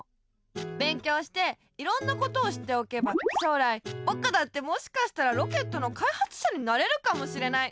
勉強していろんなことを知っておけば将来ぼくだってもしかしたらロケットのかいはつしゃになれるかもしれない。